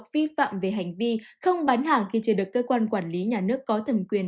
vi phạm về hành vi không bán hàng khi chưa được cơ quan quản lý nhà nước có thẩm quyền